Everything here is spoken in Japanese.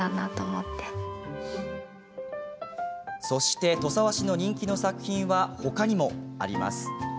そして、土佐和紙の人気の作品はほかにもあります。